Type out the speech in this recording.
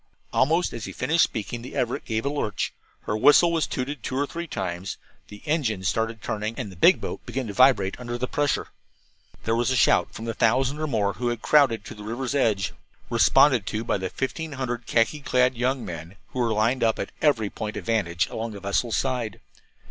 Almost as he finished speaking the Everett gave a lurch, her whistle was tooted two or three times, the engines started turning, and the big boat began to vibrate under the pressure. There was a shout from the thousand or more who had crowded to the river's edge, responded to by the fifteen hundred khaki clad young men who were lined up at every point of vantage along the vessel's side.